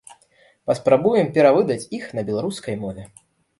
Паспрабуем перавыдаць іх на беларускай мове.